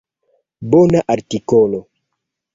Bona artikolo.